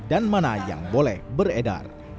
dan mana yang boleh beredar